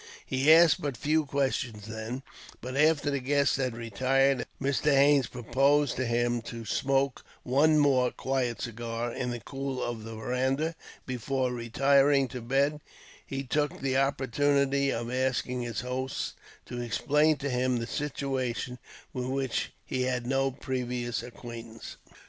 He asked but few questions, then; but after the guests had retired, and Mr. Haines proposed to him to smoke one more quiet cigar, in the cool of the veranda, before retiring to bed; he took the opportunity of asking his host to explain to him the situation, with which he had no previous acquaintance.